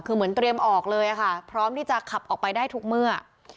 คือเหมือนเตรียมออกเลยค่ะพร้อมที่จะขับออกไปได้ทุกเมื่อ